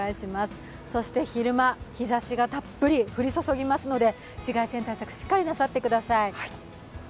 そして昼間、日ざしがたっぷり、降り注ぎますので紫外線対策しっかりなさってください。